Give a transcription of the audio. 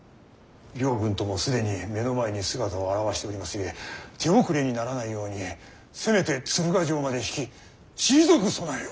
両軍とも既に目の前に姿を現しておりますゆえ手遅れにならないようにせめて敦賀城まで引き退く備えを。